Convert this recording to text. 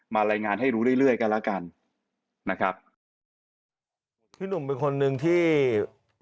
มารายงานให้รู้เรื่อยกันแล้วกันนะครับ